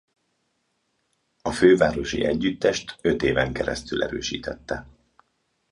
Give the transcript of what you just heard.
A fővárosi együtteset öt éven keresztül erősítette.